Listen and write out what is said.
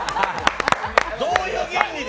どういう原理で。